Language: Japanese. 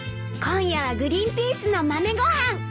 今夜はグリーンピースの豆ご飯。